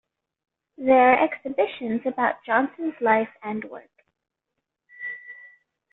There are exhibitions about Johnson's life and work.